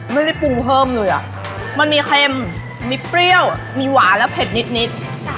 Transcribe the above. ไม่ได้ปรุงเพิ่มเลยอ่ะมันมีเค็มมีเปรี้ยวมีหวานและเผ็ดนิด